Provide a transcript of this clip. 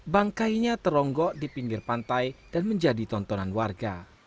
bangkainya teronggok di pinggir pantai dan menjadi tontonan warga